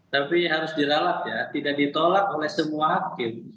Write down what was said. tapi harus diralat ya tidak ditolak oleh semua hakim